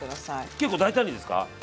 結構大胆にですか？